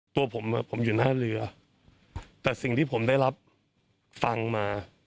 ตัวผมผมอยู่หน้าเรือแต่สิ่งที่ผมได้รับฟังมา